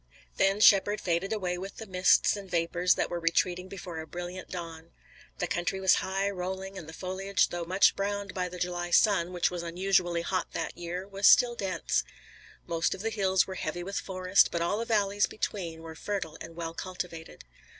Then Shepard faded away with the mists and vapors that were retreating before a brilliant dawn. The country was high, rolling, and the foliage, although much browned by the July sun, which was unusually hot that year, was still dense. Most of the hills were heavy with forest, but all the valleys between were fertile and well cultivated.